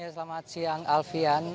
selamat siang alfian